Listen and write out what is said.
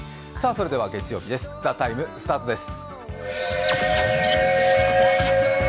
それでは月曜日です「ＴＨＥＴＩＭＥ，」スタートです。